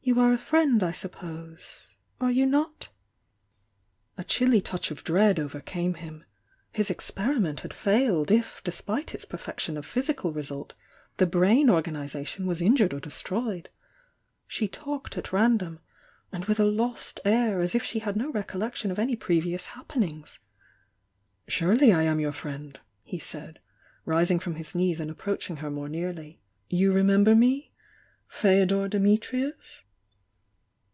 You are a friend, I suppose— are you not.' A chilly touch of dread overcame him His ex neriment had failed, if despite its perfection of KsTcal result, the brain organisation was injured or destroyed. She talked at random, and with a ?ost air as'f she had tio recollection of any previous ''Cv'i am your friend!" he said, rising from his knees and approaching her more nearly. You remember me?— Feodor Dimitrius?